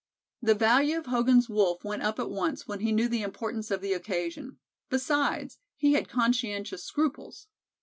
The value of Hogan's Wolf went up at once when he knew the importance of the occasion; besides, "he had conscientious scruples."